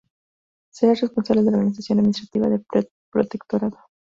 Será el responsable de la organización administrativa del protectorado.